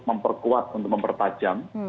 memperkuat untuk mempertajam